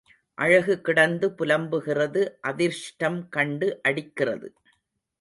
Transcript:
அழகு கிடந்து புலம்புகிறது அதிர்ஷ்டம் கண்டு அடிக்கிறது.